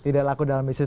tidak laku dalam bisnis